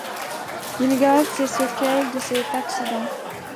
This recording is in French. Il garde des séquelles de cet accident.